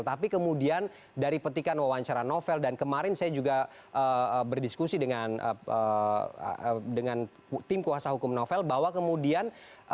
tapi kemudian dari petikan wawancara novel dan kemarin saya juga berdiskusi dengan tim kuasa hukum novel bahwa kemudian